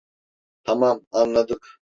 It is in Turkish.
Tamam, anladık.